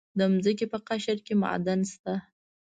د ځمکې په قشر کې معادن شته.